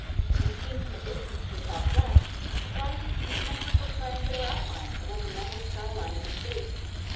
When seen from a distance to the southwest, it rises in symmetrical triangular outline above the level skyline of its base.